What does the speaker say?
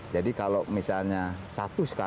jadi kalau misalnya satu skadron kenapa enam belas